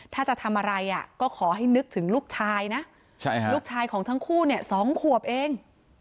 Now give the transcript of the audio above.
ถ้าจะทำอะไรก็ขอให้นึกถึงลูกชายนะลูกชายของทั้งคู่เนี่ย๒ขวบเอง